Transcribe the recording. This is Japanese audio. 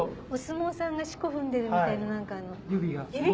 お相撲さんが四股踏んでるみたいな。